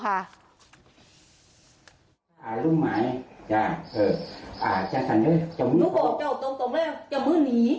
ปากนี้จากกับ๔๐๐๐๐๐ดี